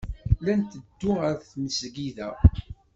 La nteddu ar tmesgida.